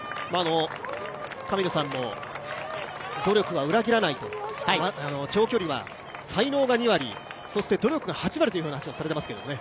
神野さんの努力は裏切らないという長距離は才能が２割そして努力が８割という話をされていますけどね。